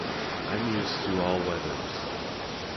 I'm used to all weathers.